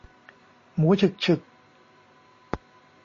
หมูฉึกฉึก